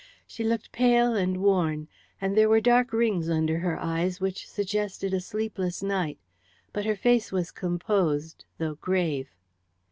She looked pale and worn, and there were dark rings under her eyes which suggested a sleepless night. But her face was composed, though grave.